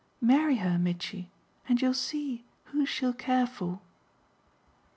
Marry her, Mitchy, and you'll see who she'll care for!"